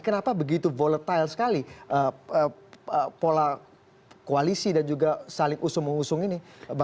kenapa begitu volatile sekali pola koalisi dan juga saling usung usung ini